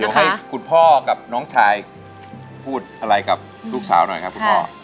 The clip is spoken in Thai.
เดี๋ยวให้คุณพ่อกับน้องชายพูดอะไรกับลูกสาวหน่อยครับคุณพ่อ